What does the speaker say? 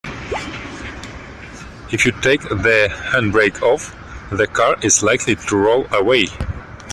If you take the handbrake off, the car is likely to roll away